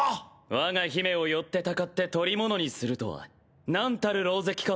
我が姫をよってたかって捕り物にするとはなんたる狼藉か。